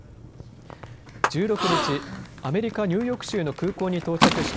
１６日、アメリカ・ニューヨーク州の空港に到着した